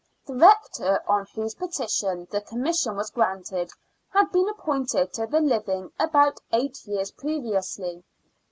The rector, on whose petition the Commission was granted, had been appointed to the hving about eight years previously.